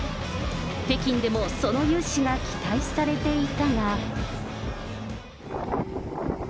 北京でもその雄姿が期待されていたが。